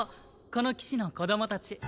この騎士の子供たち。